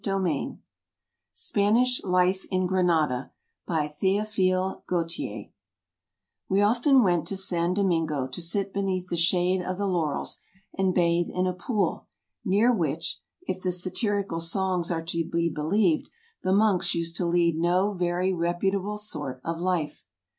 EUROPE Spanish Life in Granada By THEOPHILE GAUTIER WE often went to San Domingo to sit beneath the shade of the laurels, and bathe in a pool, near which, if the satirical songs are to be believed, the monks used to lead no very reputable sort of life.